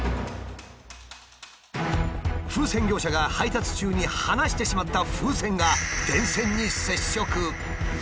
風船業者が配達中に放してしまった風船が電線に接触。